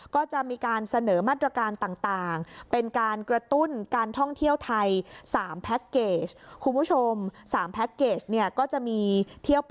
ก็จะมีการเสนอมาตรการต่างต่างเป็นการกระตุ้นการท่องเที่ยวไทย